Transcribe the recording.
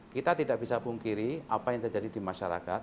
kita tidak bisa pungkiri apa yang terjadi di masyarakat